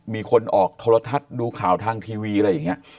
มีคนออกโทรทัศน์ดูข่าวทางทีวีอะไรอย่างนี้